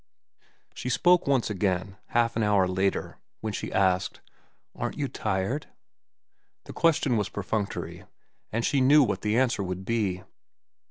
She spoke once again, half an hour later, when she asked, "Aren't you tired?" The question was perfunctory, and she knew what the answer would be.